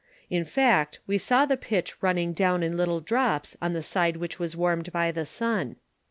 In fact, we saw the pitch running down in little drops on the side which was wanned by the sun.